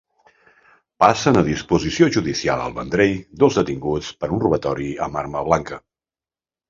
Passen a disposició judicial al Vendrell dos detinguts per un robatori amb arma blanca.